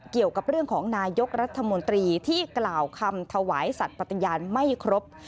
เกี่ยวกับเรื่องของนายกรัฐมนตรีที่กล่าวคำถวายสัตว์ปฏิญาณไม่ครบ